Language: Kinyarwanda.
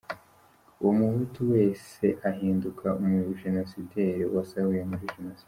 Uwo muhutu wese ahinduka umugenocideri, uwasahuye muri genocide.